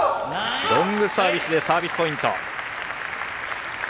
ロングサービスでサービスポイント。